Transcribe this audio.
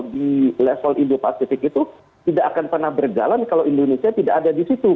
di level indo pasifik itu tidak akan pernah berjalan kalau indonesia tidak ada di situ